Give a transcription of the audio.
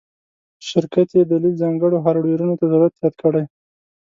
شرکت یی دلیل ځانګړو هارډویرونو ته ضرورت یاد کړی